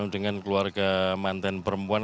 dengan keluarga mantan perempuan